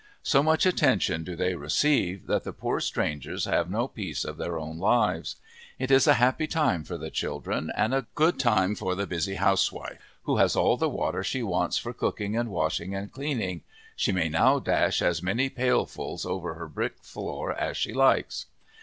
So much attention do they receive that the poor strangers have no peace of their lives. It is a happy time for the children, and a good time for the busy housewife, who has all the water she wants for cooking and washing and cleaning she may now dash as many pailfuls over her brick floors as she likes.